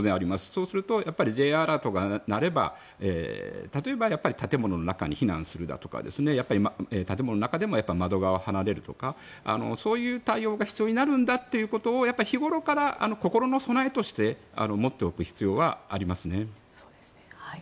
そうすると、Ｊアラートが鳴れば例えば建物の中に避難するだとか建物の中でも窓側を離れるとかそういう対応が必要になるんだということを日頃から心の備えとして持っておく必要はありますね。